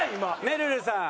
めるるさん